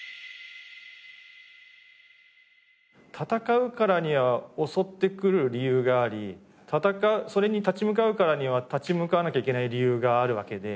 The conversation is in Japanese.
戦うからには襲ってくる理由がありそれに立ち向かうからには立ち向かわなきゃいけない理由があるわけで。